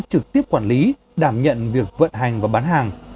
trực tiếp quản lý đảm nhận việc vận hành và bán hàng